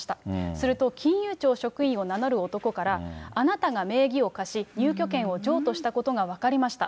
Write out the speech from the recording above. すると、金融庁職員を名乗る男から、あなたが名義を貸し、入居権を譲渡したことが分かりました。